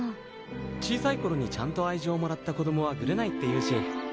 小さいころにちゃんと愛情をもらった子供はぐれないっていうし。